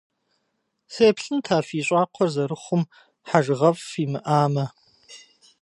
Сеплъынт, а фи щӏакхъуэр зэрыхъум, хьэжыгъэфӏ фимыӏамэ.